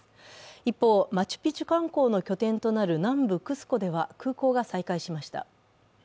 一方、マチュピチュ観光の拠点となる南部クスコでは空港が再開しました。